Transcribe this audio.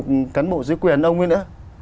rất nhiều cán bộ dưới quyền ông ấy nữa